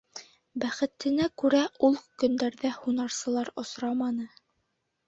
Бәхетенә күрә, ул көндәрҙә һунарсылар осраманы.